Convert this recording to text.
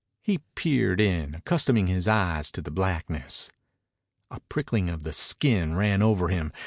He peered in, accustoming his eyes to the blackness. A prickling of the skin ran over him.